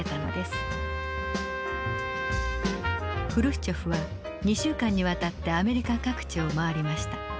フルシチョフは２週間にわたってアメリカ各地を回りました。